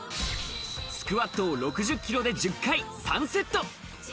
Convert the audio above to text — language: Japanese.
スクワットを６０キロで１０回３セット！